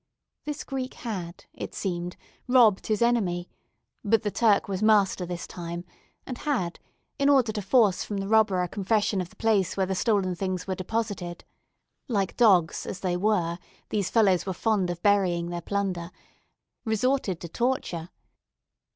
This Greek had, it seemed, robbed his enemy, but the Turk was master this time, and had, in order to force from the robber a confession of the place where the stolen things were deposited (like dogs, as they were, these fellows were fond of burying their plunder), resorted to torture.